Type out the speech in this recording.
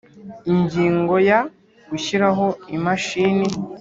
Ingingo ya gushyiraho imashini